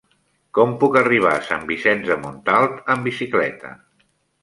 Com puc arribar a Sant Vicenç de Montalt amb bicicleta?